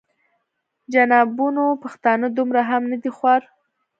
جنابانو پښتانه دومره هم نه دي خوار.